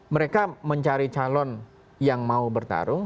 mereka mencari calon yang mau bertarung